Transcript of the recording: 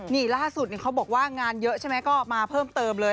นี่ล่าสุดเขาบอกว่างานเยอะใช่ไหมก็มาเพิ่มเติมเลย